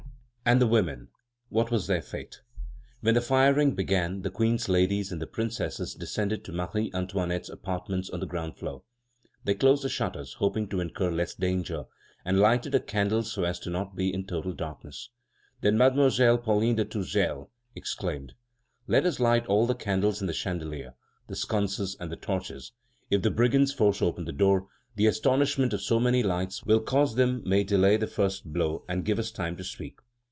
And the women, what was their fate? When the firing began, the Queen's ladies and the Princesses descended to Marie Antoinette's apartments on the ground floor. They closed the shutters, hoping to incur less danger, and lighted a candle so as not to be in total darkness. Then Mademoiselle Pauline de Tourzel exclaimed: "Let us light all the candles in the chandelier, the sconces, and the torches; if the brigands force open the door, the astonishment so many lights will cause them may delay the first blow and give us time to speak."